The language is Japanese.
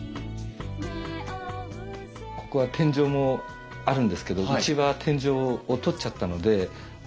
ここは天井もあるんですけどうちは天井を取っちゃったのでそ